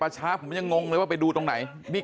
ยังไง